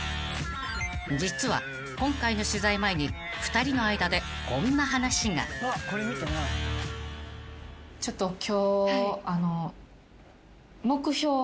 ［実は今回の取材前に２人の間でこんな話が］今日。